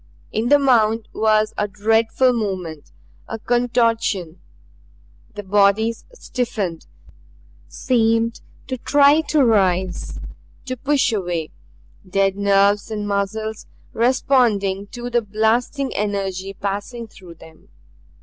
In the mound was a dreadful movement, a contortion; the bodies stiffened, seemed to try to rise, to push away dead nerves and muscles responding to the blasting energy passing through them.